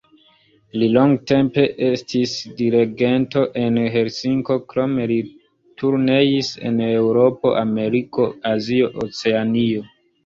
Li longtempe estis dirigento en Helsinko, krome li turneis en Eŭropo, Ameriko, Azio, Oceanio.